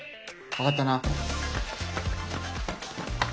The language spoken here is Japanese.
分かったな？